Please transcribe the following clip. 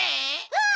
うん！